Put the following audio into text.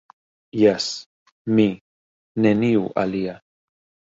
Jes, mi, neniu alia.